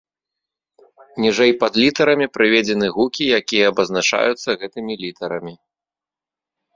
Ніжэй пад літарамі прыведзены гукі, якія абазначаюцца гэтымі літарамі.